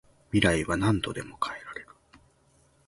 未来は何度でも変えられる